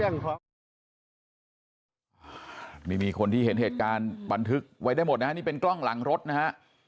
นี่มีคนที่เห็นเหตุการณ์บันทึกไว้ได้หมดนะฮะนี่เป็นกล้องหลังรถนะฮะ